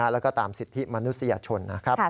แล้วก็ตามสิทธิมนุษยชน